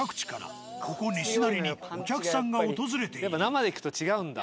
やっぱ生で聴くと違うんだ。